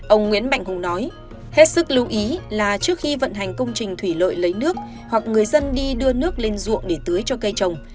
ông nguyễn mạnh hùng nói hết sức lưu ý là trước khi vận hành công trình thủy lợi lấy nước hoặc người dân đi đưa nước lên ruộng để tưới cho cây trồng